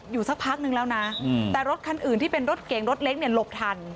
สักพักนึงแล้วนะแต่รถคันอื่นที่เป็นรถเก่งรถเล็กเนี่ยหลบทัน